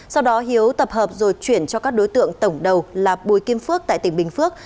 sau đó hiếu tập hợp rồi chuyển cho các đối tượng tổng đầu là bùi kim phước tại tỉnh bình phước